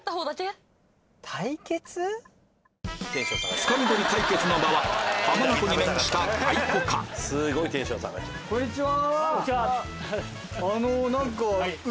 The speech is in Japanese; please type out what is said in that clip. つかみ捕り対決の場は浜名湖に面したこんにちは。